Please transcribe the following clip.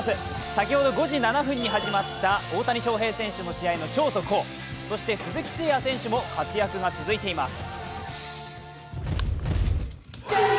先ほど５時７分に始まった大谷翔平選手の試合の超速報、そして鈴木誠也選手も活躍が続いています。